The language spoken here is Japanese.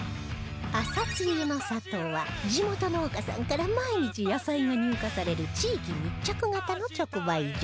あさつゆの里は地元農家さんから毎日野菜が入荷される地域密着型の直売所